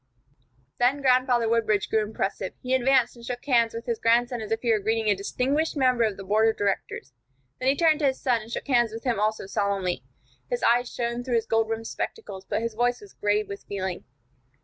Then Grandfather Woodbridge grew impressive. He advanced, and shook hands with his grandson as if he were greeting a distinguished member of the board of directors. Then he turned to his son, and shook hands with him also, solemnly. His eyes shone through his gold rimmed spectacles, but his voice was grave with feeling.